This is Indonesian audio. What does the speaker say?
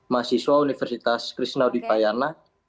mahasiswa universitas krishnaudipayana